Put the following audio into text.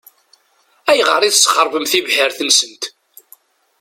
Ayɣer i tesxeṛbem tibḥirt-nsent?